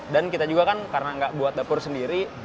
dan kita juga kan karena nggak buat dapur sendiri